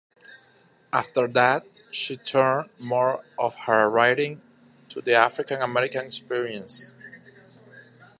After that, she turned more of her writing to the African-American experience.